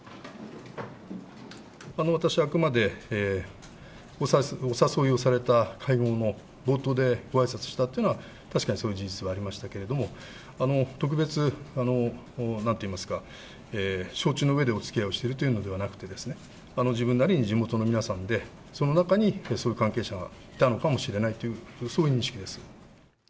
私はあくまで、お誘いをされた会合の冒頭でごあいさつしたというのは、確かにそういう事実はありましたけれども、特別、なんていいますか、承知のうえでおつきあいをしているというのではなくて、自分なりに地元の皆さんで、その中に、そういう関係者がいたのかもしれないという、そういう認識です。